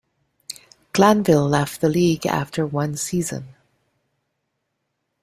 Glanville left the league after one season.